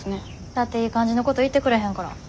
だっていい感じのこと言ってくれへんから。